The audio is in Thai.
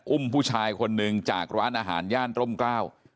อุ้มผู้ชายคนหนึ่งจากร้านอาหารย่านร่มกล้า